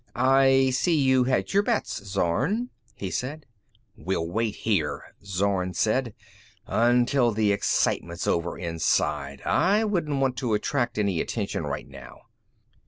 "I see you hedge your bets, Zorn," he said. "We'll wait here," Zorn said, "until the excitement's over inside. I wouldn't want to attract any attention right now."